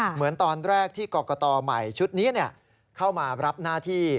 เหมือนตอนแรกที่กรกตใหม่ชุดนี้เข้ามารับหน้าที่